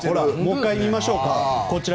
もう１回見ましょうか。